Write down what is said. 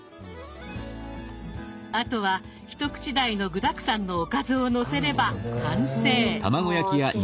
あとは一口大の具だくさんのおかずをのせれば完成。